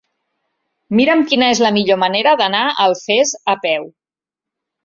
Mira'm quina és la millor manera d'anar a Alfés a peu.